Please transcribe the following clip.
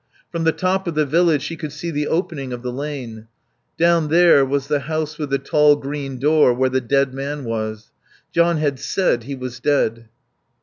From the top of the village she could see the opening of the lane. Down there was the house with the tall green door where the dead man was. John had said he was dead.